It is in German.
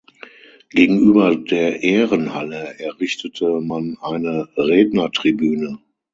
Gegenüber der Ehrenhalle errichtete man eine Rednertribüne.